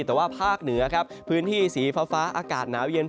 แต่ว่าภาคเหนือครับพื้นที่สีฟ้าอากาศหนาวเย็น